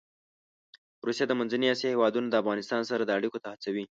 روسیه د منځنۍ اسیا هېوادونه د افغانستان سره اړيکو ته هڅوي.